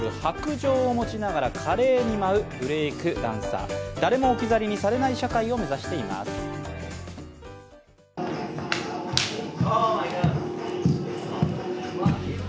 杖を持ちながら華麗に舞う、ブレイクダンサー、誰も置き去りにされない社会を目指しています。